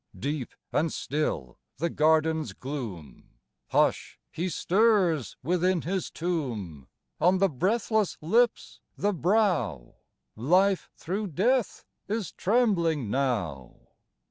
Deep and still the garden's gloom :— Hush ! He stirs within His tomb ! On the breathless lips, the brow, Life through death is trembling now.